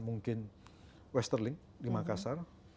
mungkin westerling di makassar